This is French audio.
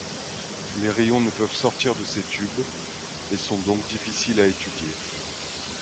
Les rayons ne peuvent sortir de ces tubes, et sont donc difficiles à étudier.